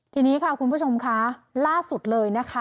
ทีนี้ค่ะคุณผู้ชมค่ะล่าสุดเลยนะคะ